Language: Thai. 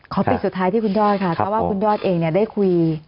ปิดสุดท้ายที่คุณยอดค่ะเพราะว่าคุณยอดเองได้คุย